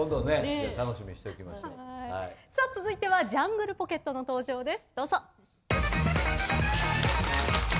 続いてはジャングルポケットの登場です。